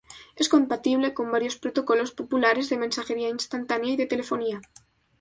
Es compatible con varios protocolos populares de mensajería instantánea y de telefonía.